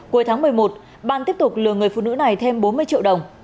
cuối tháng một mươi một ban tiếp tục lừa người phụ nữ này thêm bốn mươi triệu đồng